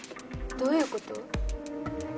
どういうこと？